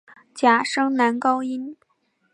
假声男高音。